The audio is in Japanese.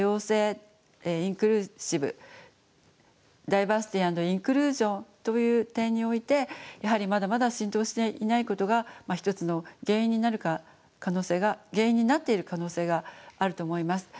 インクルーシブダイバーシティー＆インクルージョンという点においてやはりまだまだ浸透していないことが一つの原因になる可能性が原因になっている可能性があると思います。